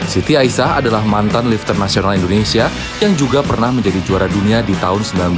siti aisah adalah mantan lifter nasional indonesia yang juga pernah menjadi juara dunia di tahun seribu sembilan ratus sembilan puluh